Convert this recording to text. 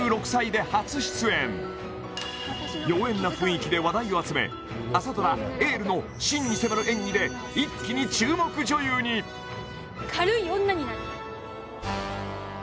今年な雰囲気で話題を集め朝ドラ「エール」ので一気に注目女優に軽い女になる